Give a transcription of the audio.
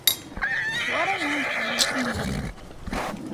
What on earth are you singing?